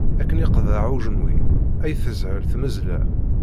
Akken iqḍeɛ ujenwi, ay teshel tmezla.